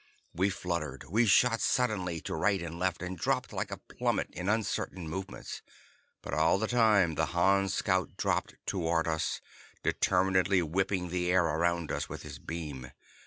We fluttered, we shot suddenly to right and left, and dropped like a plummet in uncertain movements. But all the time the Han scout dropped toward us, determinedly whipping the air around us with his beam.